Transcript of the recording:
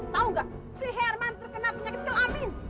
tahu nggak si herman terkena penyakit kelamin